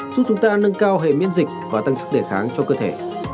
giúp chúng ta nâng cao hệ miễn dịch và tăng sức đề kháng cho cơ thể